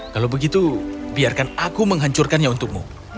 kalau begitu biarkan aku menghancurkannya untukmu